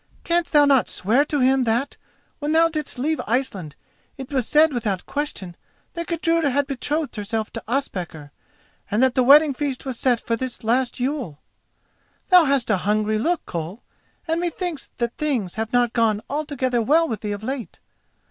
Canst thou not swear to him that, when thou didst leave Iceland it was said without question that Gudruda had betrothed herself to Ospakar, and that the wedding feast was set for this last Yule? Thou hast a hungry look, Koll, and methinks that things have not gone altogether well with thee of late.